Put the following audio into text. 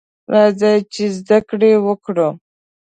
راځئ ! چې زده کړې وکړو.